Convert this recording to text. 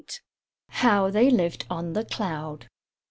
HOW THEY LIVED ON THE CLOUD.